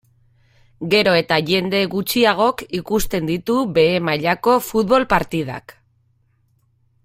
Gero eta jende gutxiagok ikusten ditu behe mailako futbol partidak.